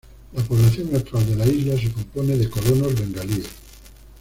La población actual de la isla se compone de colonos bengalíes.